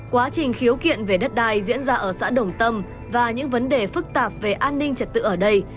quá trình khiếu kiện về đất đai diễn ra ở xã đồng tâm và những vấn đề phức tạp về an ninh trật tự ở đây